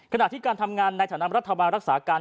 ขณะที่การทำงานในฐานะรัฐบาลรักษาการ